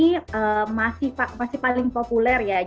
karena ketiga destinasi ini masih paling populer ya